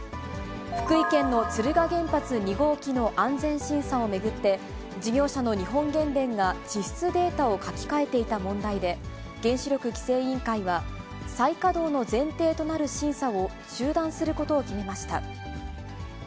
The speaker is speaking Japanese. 福井県の敦賀原発２号機の安全審査を巡って、事業者の日本原電が地質データを書き換えていた問題で、原子力規制委員会は、再稼働の前提となる審査を中断することを決めました。